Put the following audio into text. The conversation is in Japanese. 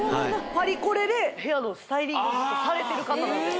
パリコレでヘアのスタイリングされてる方なんです